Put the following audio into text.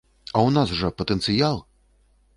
А ў нас жа патэнцыял!